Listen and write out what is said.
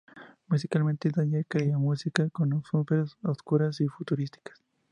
Musicalmente, Danger crea música con atmósferas oscuras, y futuristas.